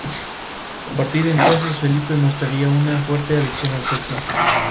Ambas mitades poseen líneas del color de la otra mitad que caen en diagonal.